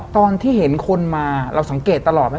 ตอนที่เห็นคนมาเราสังเกตตลอดไหม